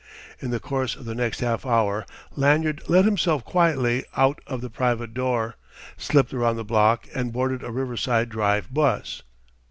In the course of the next half hour Lanyard let himself quietly out of the private door, slipped around the block and boarded a Riverside Drive bus.